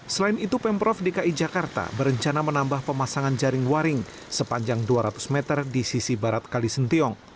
selain itu pemprov dki jakarta berencana menambah pemasangan jaring waring sepanjang dua ratus meter di sisi barat kalisentiong